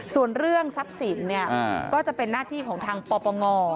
ส่วนเรื่องทรัพย์สินเนี่ยก็จะเป็นหน้าที่ของทางปปง